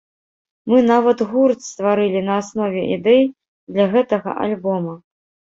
Мы нават гурт стварылі на аснове ідэй для гэтага альбома.